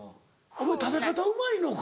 お前食べ方うまいのか？